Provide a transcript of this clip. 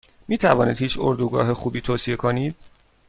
میتوانید هیچ اردوگاه خوبی توصیه کنید؟